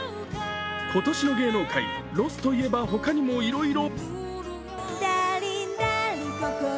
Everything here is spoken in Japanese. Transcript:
今年の芸能界、ロスといえば他にもいろいろ。